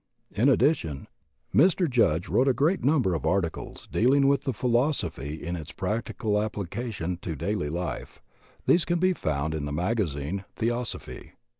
In addition, Mr. Judge wrote a great number of articles dealing with the philosophy in its practical application to daily life; these can be found in the mag azine "Theosophy."